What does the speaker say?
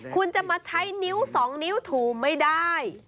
คุณจะมาใช้นิ้ว๒นิ้วถูไม่ได้